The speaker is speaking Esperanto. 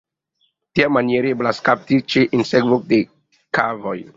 Tiamaniere eblas kapti ĉe sinsekvo de kavoj.